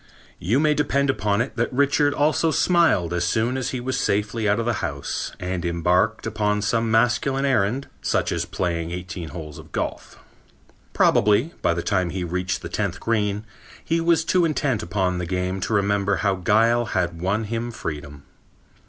You may depend upon it that Richard also smiled as soon as he was safely out of the house and embarked upon some masculine errand, such as playing eighteen holes of golf. Probably, by the time he reached the tenth green, he was too intent upon his game to remember how guile had won him freedom.